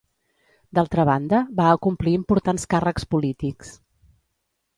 D'altra banda, va acomplir importants càrrecs polítics.